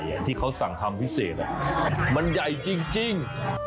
ชามพิเศษมันใหญ่จริง